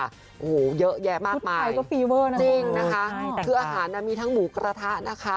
โอ้โหเยอะแยะมากมายจริงนะคะคืออาหารนะมีทั้งหมูกระทะนะคะ